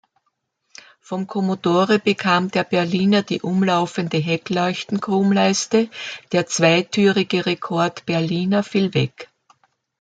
Vom Commodore bekam der Berlina die umlaufende Heckleuchten-Chromleiste; der zweitürige Rekord Berlina fiel weg.